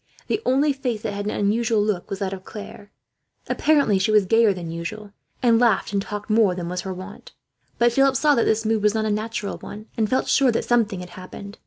The only face that had an unusual look was that of Claire. Apparently she was gayer than usual, and laughed and talked more than was her wont; but Philip saw that this mood was not a natural one, and felt sure that something had happened.